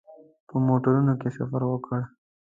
په موټرونو کې سفر وکړ.